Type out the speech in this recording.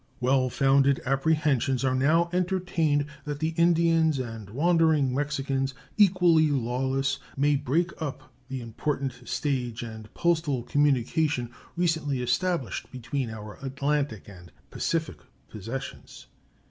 Well founded apprehensions are now entertained that the Indians and wandering Mexicans, equally lawless, may break up the important stage and postal communication recently established between our Atlantic and Pacific possessions.